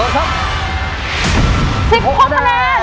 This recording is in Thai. สิบหกคะแนน